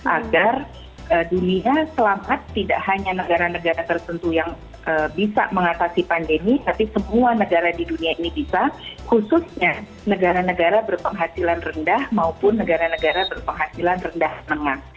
agar dunia selamat tidak hanya negara negara tertentu yang bisa mengatasi pandemi tapi semua negara di dunia ini bisa khususnya negara negara berpenghasilan rendah maupun negara negara berpenghasilan rendah menengah